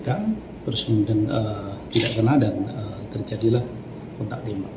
terus tidak pernah dan terjadilah kontak tembak